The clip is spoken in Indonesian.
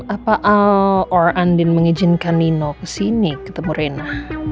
apa al andin mengizinkan nino kesini ketemu rena